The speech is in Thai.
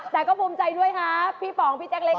แต่ก็ภูมิใจด้วยฮะพี่ป๋องพี่แจ๊กเล็ก